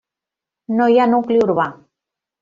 No hi ha nucli urbà.